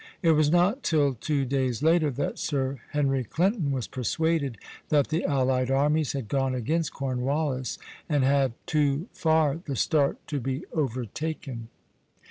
It was not till two days later that Sir Henry Clinton was persuaded that the allied armies had gone against Cornwallis, and had too far the start to be overtaken.